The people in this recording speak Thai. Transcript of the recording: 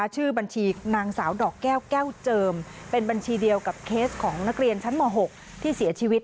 ชื่อบัญชีนางสาวดอกแก้วแก้วเจิมเป็นบัญชีเดียวกับเคสของนักเรียนชั้นม๖ที่เสียชีวิต